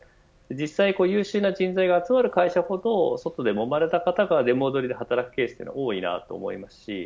実際、優秀な人材が集まる会社なほど外でもまれた方が、出戻りで働くケースが多いと思います。